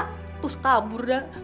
terus kabur dah